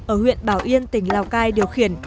ở huyện bảo yên tỉnh lào cai điều khiển